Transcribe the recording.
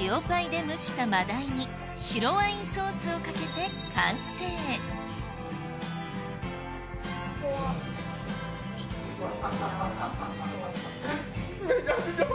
塩パイで蒸した真鯛に白ワインソースをかけて完成うまっ！